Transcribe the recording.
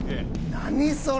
何それ。